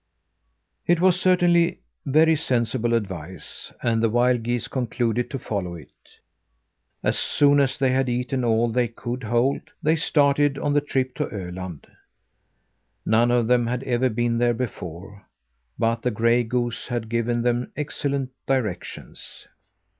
It was certainly very sensible advice, and the wild geese concluded to follow it. As soon as they had eaten all they could hold, they started on the trip to Öland. None of them had ever been there before, but the gray goose had given them excellent directions.